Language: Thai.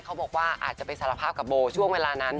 เขาบอกว่าอาจจะไปสารภาพกับโบช่วงเวลานั้น